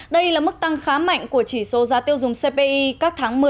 đây là mức tăng khá mạnh của chỉ số giá tiêu dùng cpi các tháng một mươi